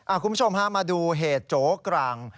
คุณผู้ชมฮะมาดูเหตุโจกลาง